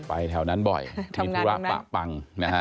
ไปแถวนั้นบ่อยที่ภูระปัง